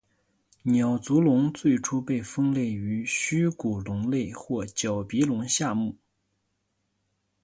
鸟足龙最初被分类于虚骨龙类或角鼻龙下目。